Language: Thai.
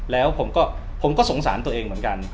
แล้วผมก็สงสารตัวเองเหมือนกัน